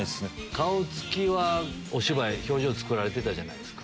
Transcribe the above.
顔つきは表情つくられてたじゃないですか。